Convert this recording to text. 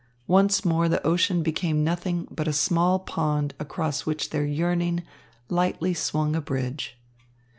Once more the ocean became nothing but a small pond across which their yearning lightly swung a bridge.